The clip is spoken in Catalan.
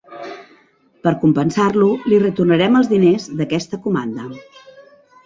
Per compensar-lo li retornarem els diners d'aquesta comanda.